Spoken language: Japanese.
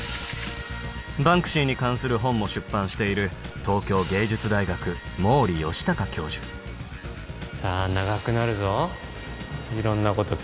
バンクシーに関する本も出版しているさぁ。